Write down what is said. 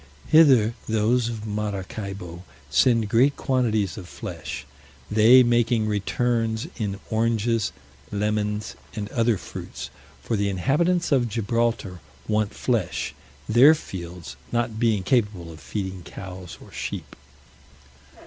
Hither those of Maracaibo send great quantities of flesh, they making returns in oranges, lemons, and other fruits; for the inhabitants of Gibraltar want flesh, their fields not being capable of feeding cows or sheep.